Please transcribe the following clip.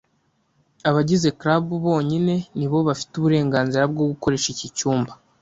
Abagize club bonyine ni bo bafite uburenganzira bwo gukoresha iki cyumba.